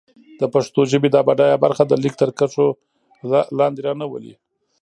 د پښتو ژبې دا بډايه برخه د ليک تر کرښو لاندې را نه ولي.